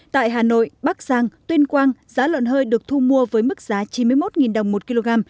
tại hà nội bắc giang tuyên quang giá lợn hơi được thu mua với mức giá chín mươi một đồng một kg